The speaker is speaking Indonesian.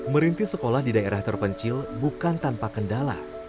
merintis sekolah di daerah terpencil bukan tanpa kendala